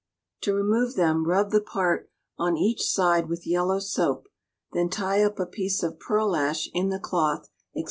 To remove them, rub the part on each side with yellow soap, then tie up a piece of pearlash in the cloth, &c.